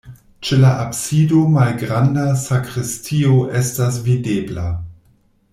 Ĉe la absido malgranda sakristio estas videbla.